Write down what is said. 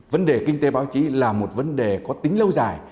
vấn đề kinh tế báo chí là một vấn đề có tính lâu dài